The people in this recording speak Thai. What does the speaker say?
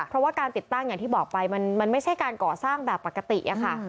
เพราะว่าการติดตั้งอย่างที่บอกไปมันไม่ใช่การก่อสร้างแบบปกติค่ะ